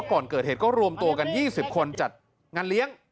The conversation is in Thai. ก่อนเกิดเหตุก็รวมตัวกัน๒๐คนจัดงานเลี้ยง